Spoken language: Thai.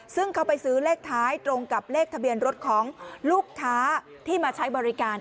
ซึ่งเขาไปซื้อเลขท้ายตรงกับเลขทะเบียนรถของลูกค้าที่มาใช้บริการ